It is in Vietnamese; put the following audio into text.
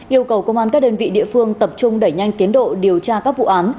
yêu cầu công an các đơn vị địa phương tập trung đẩy nhanh tiến độ điều tra các vụ án